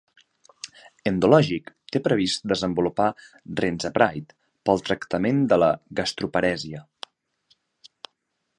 EndoLogic té previst desenvolupar Renzapride per al tractament de la gastroparèsia.